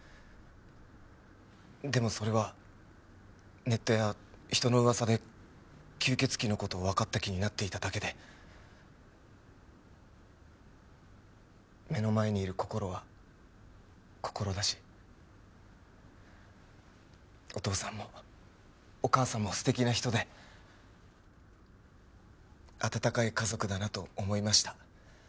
でもそれはネットや人の噂で吸血鬼の事をわかった気になっていただけで目の前にいるこころはこころだしお義父さんもお義母さんも素敵な人で温かい家族だなと思いました。